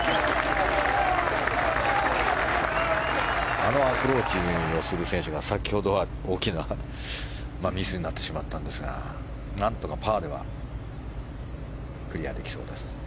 あのアプローチをする選手が先ほどは大きなミスになってしまったんですがなんとかパーではクリアできそうです。